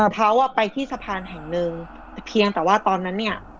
เขาอ่ะไปที่สะพานแห่งหนึ่งแต่เพียงแต่ว่าตอนนั้นเนี่ย